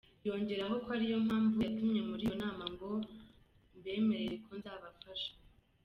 Yongeraho ko ariyo mpamvu yatumiye muri iyo nama ngo mbemerere ko nzabafasha.